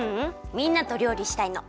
みんなとりょうりしたいの！